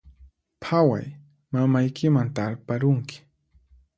Phaway, mamaykiman tarparunki